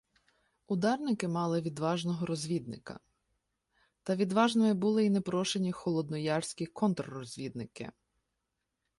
Ударники мали відважного розвідника, та відважними були й непрошені холодноярські "контррозвідники".